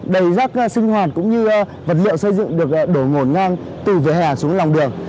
đầy rác sinh hoàn cũng như vật liệu xây dựng được đổ ngồn ngang từ về hẻ xuống lòng đường